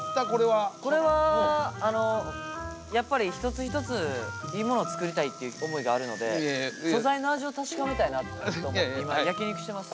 これはやっぱり一つ一ついいものを作りたいっていう思いがあるので素材の味を確かめたいなと思って今焼き肉してます。